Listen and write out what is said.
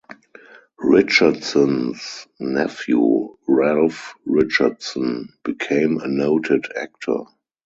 Richardson's nephew Ralph Richardson, became a noted actor.